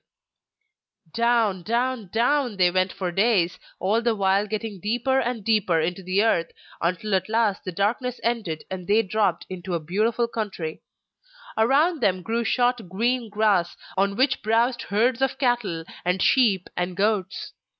Down, down, down they went for days, all the while getting deeper and deeper into the earth, until at last the darkness ended and they dropped into a beautiful country; around them grew short green grass, on which browsed herds of cattle and sheep and goats.